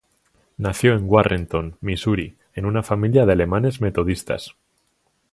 Nació en Warrenton, Missouri, en una familia de Alemanes Metodistas.